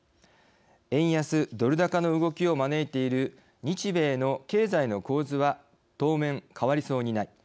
円安ドル高の動きを招いている日米の経済の構図は当面、変わりそうにない。